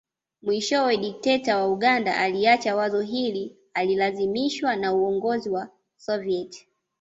Mwishowe dikteta wa Uganda aliacha wazo hili alilazimishwa na uongozi wa Soviet